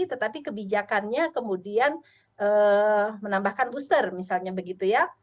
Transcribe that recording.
tetapi kebijakannya kemudian menambahkan booster misalnya begitu ya